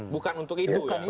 bukan untuk itu ya